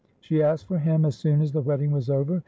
She asked for him as soon as the wedding was over.